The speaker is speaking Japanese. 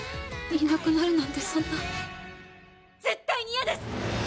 いなくなるなんてそんな、絶対に嫌です！